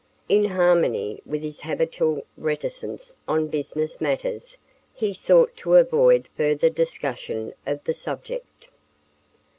In harmony with his habitual reticence on business matters, he sought to avoid further discussion of the subject.